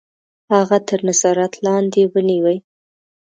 هغه تر نظارت لاندي ونیوی.